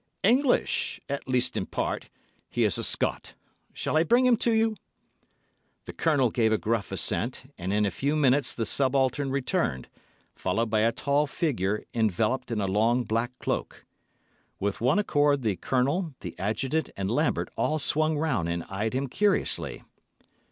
"English. At least in part. He is a Scot. Shall I bring him to you?" The Colonel gave a gruff assent, and in a few minutes the subaltern returned, followed by a tall figure enveloped in a long black cloak. With one accord the Colonel, the Adjutant and Lambert all swung round and eyed him curiously.